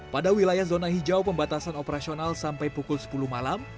pada wilayah zona hijau pembatasan operasional sampai pukul sepuluh malam